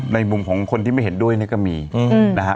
ในมุมของคนที่ไม่เห็นด้วยนี่ก็มีนะฮะ